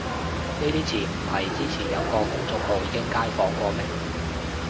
呢啲詞唔係之前有個公眾號已經街訪過咩